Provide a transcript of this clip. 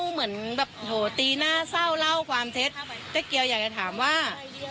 เหมือนแบบโหตีน่าเศร้าเล่าความเท็จแต๊กเกียวใหญ่ก็ถามว่า